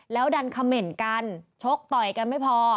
แล้วดันเขม่นกันชกต่อยกันไม่พอ